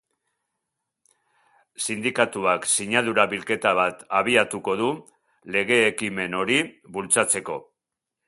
Sindikatuak sinadura bilketa bat abiatuko du lege ekimen hori bultzatzeko.